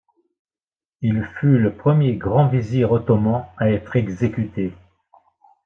Il fut le premier grand vizir ottoman à être exécuté.